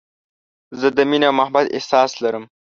زه د مینې او محبت احساسات لري.